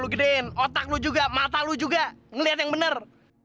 lu gedein otak lu juga mata lu juga ngelihat yang bener